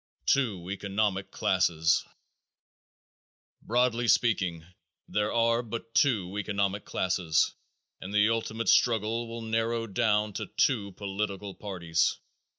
Two Economic Classes. Broadly speaking, there are but two economic classes and the ultimate struggle will narrow down to two political parties.